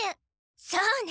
そうね！